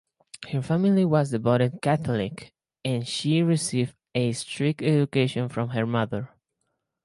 Her family was devout Catholic and she received a strict education from her mother.